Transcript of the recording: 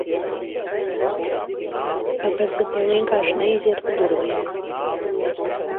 Kāpēc gan tev vienkārši neiziet pa durvīm?